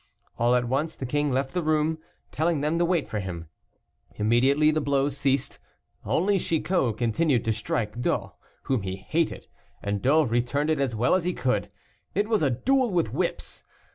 All at once the king left the room, telling them to wait for him. Immediately the blows ceased, only Chicot continued to strike D'O, whom he hated, and D'O returned it as well as he could. It was a duel with whips.